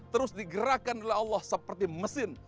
terus digerakkan oleh allah seperti mesin